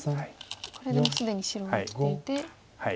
これでもう既に白は生きていて。